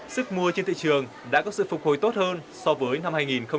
sức mua trên thị trường đã có sự phục hồi tốt hơn so với năm hai nghìn một mươi tám